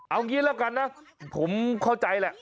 เอางี้ละกันนะผมเข้าใจแหละ